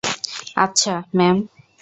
আচ্ছা, ম্যাম।